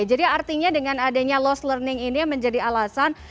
jadi artinya dengan adanya lost learning ini menjadi alasan